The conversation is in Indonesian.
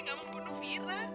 kamu bunuh fira